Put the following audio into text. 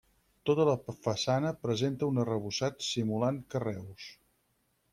Tota la façana presenta un arrebossat simulant carreus.